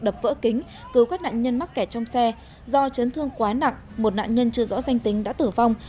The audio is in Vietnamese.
đập vỡ kính cứu các nạn nhân mắc kẻ trong xe do chấn thương quá nặng một nạn nhân chưa rõ danh tính đã tử vong